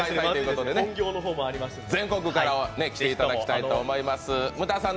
全国から来ていただきたいと思います。